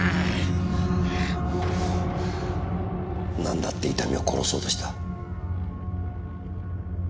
なんだって伊丹を殺そうとした？